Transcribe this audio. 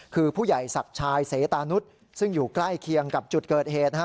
คือผู้ใหญ่ศักดิ์ชายเสตานุษย์ซึ่งอยู่ใกล้เคียงกับจุดเกิดเหตุนะฮะ